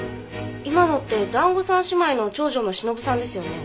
今のって団子三姉妹の長女のしのぶさんですよね？